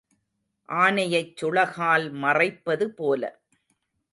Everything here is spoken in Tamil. ஆனையைச் சுளகால் மறைப்பது போல.